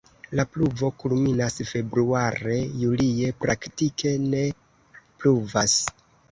La pluvo kulminas februare, julie praktike ne pluvas.